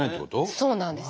そうなんです。